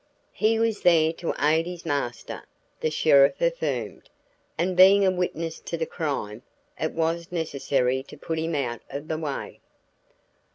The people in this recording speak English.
"He was there to aid his master," the sheriff affirmed, "and being a witness to the crime, it was necessary to put him out of the way."